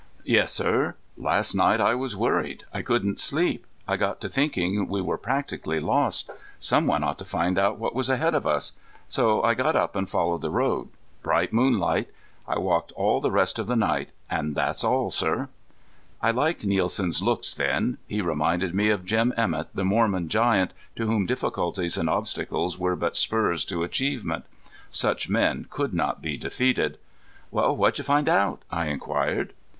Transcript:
"Yes, sir. Last night I was worried. I couldn't sleep. I got to thinking we were practically lost. Some one ought to find out what was ahead of us. So I got up and followed the road. Bright moonlight. I walked all the rest of the night. And that's all, sir." I liked Nielsen's looks then. He reminded me of Jim Emett, the Mormon giant to whom difficulties and obstacles were but spurs to achievement. Such men could not be defeated. "Well, what did you find out?" I inquired.